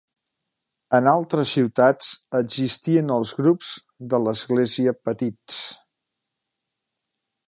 En altres ciutats existien els grups de l'església petits.